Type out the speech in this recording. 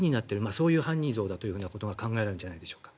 そういう犯人像だということが考えられるんじゃないでしょうか。